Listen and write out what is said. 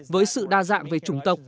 với sự đa dạng về chủng tộc